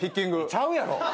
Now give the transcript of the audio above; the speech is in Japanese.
ちゃうやろ。